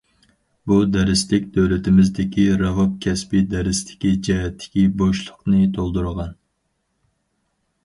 بۇ دەرسلىك دۆلىتىمىزدىكى راۋاب كەسپىي دەرسلىكى جەھەتتىكى بوشلۇقنى تولدۇرغان.